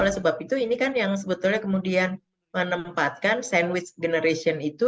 oleh sebab itu ini kan yang sebetulnya kemudian menempatkan sandwich generation itu